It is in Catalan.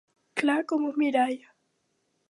Clar com un mirall.